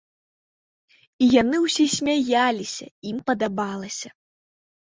І яны ўсе смяяліся, ім падабалася.